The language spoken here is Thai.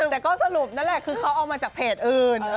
แต่ก็สรุปนั่นแหละคือเขาเอามาจากเพจอื่น